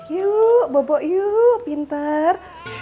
yuk bobo yuk pintar